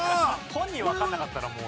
本人わかんなかったらもう。